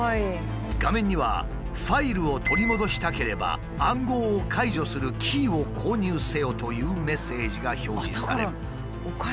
画面には「ファイルを取り戻したければ暗号を解除するキーを購入せよ」というメッセージが表示される。